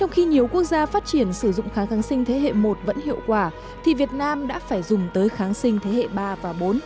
khi nhiều quốc gia phát triển sử dụng kháng kháng sinh thế hệ một vẫn hiệu quả thì việt nam đã phải dùng tới kháng sinh thế hệ ba và bốn